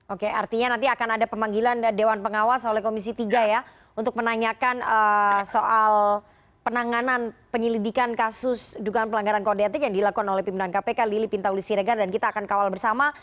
oke artinya nanti akan ada pemanggilan dewan pengawas oleh komisi tiga ya untuk menanyakan soal penanganan penyelidikan kasus dugaan pelanggaran kode etik yang dilakukan oleh pimpinan kpk lili pintauli siregar dan kita akan kawal bersama